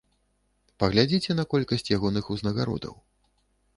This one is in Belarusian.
Паглядзіце на колькасць ягоных узнагародаў.